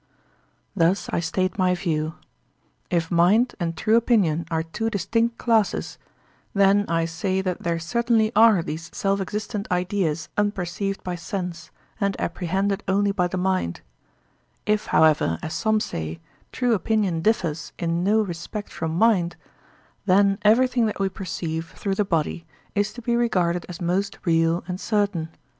Thus I state my view:—If mind and true opinion are two distinct classes, then I say that there certainly are these self existent ideas unperceived by sense, and apprehended only by the mind; if, however, as some say, true opinion differs in no respect from mind, then everything that we perceive through the body is to be regarded as most real and certain.